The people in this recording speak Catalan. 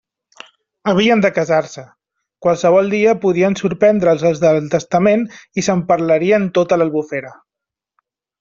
Havien de casar-se: qualsevol dia podien sorprendre'ls els del testament, i se'n parlaria en tota l'Albufera.